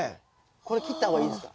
これ切った方がいいですか？